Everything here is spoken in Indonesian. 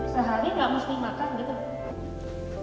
sehari nggak mesti makan gitu